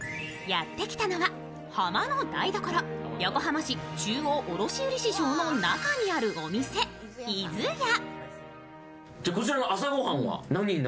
やって来たのはハマの台所、横浜市中央卸売市場の中にあるお店、伊豆屋。